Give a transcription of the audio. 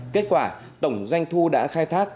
kết quả tổng doanh thu đã khai thác